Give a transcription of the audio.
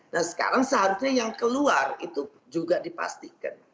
nah sekarang seharusnya yang keluar itu juga dipastikan